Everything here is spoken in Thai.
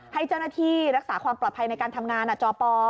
ให้เจ้าหน้าที่รักษาความปลอดภัยในการทำงานจอป